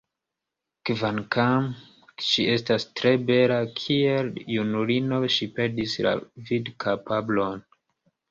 Kvankam ŝi estas tre bela, kiel junulino ŝi perdis la vidkapablon.